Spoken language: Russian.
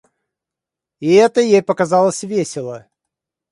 И это ей показалось весело.